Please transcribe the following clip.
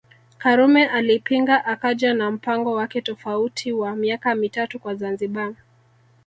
Karume alipinga akaja na mpango wake tofauti wa miaka mitatu kwa Zanzibar